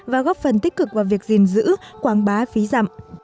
và góp phần tích cực vào việc gìn giữ quảng bá phí dặm